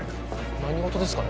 何事ですかね？